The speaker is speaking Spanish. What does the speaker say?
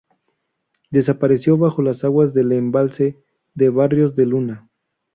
Desapareció bajo las aguas del embalse de Barrios de Luna.